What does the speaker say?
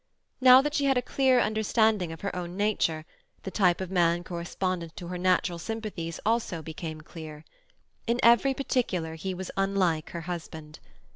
Now that she had a clearer understanding of her own nature, the type of man correspondent to her natural sympathies also became clear. In every particular he was unlike her husband.